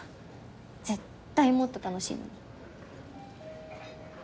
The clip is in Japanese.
絶対もっと楽しいのに。